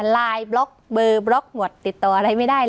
ไลน์บล็อกเบอร์บล็อกหมดติดต่ออะไรไม่ได้